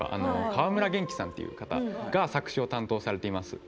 川村元気さんが作詞を担当されております。